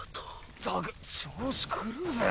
ったく調子狂うぜ。